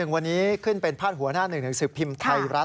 วันนี้ขึ้นเป็นภาษาหัวหน้า๑๑๑๑สืบพิมพ์ไทยรัฐ